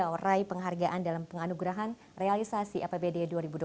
dan juga mengenai penghargaan dalam penganugerahan realisasi apbd dua ribu dua puluh satu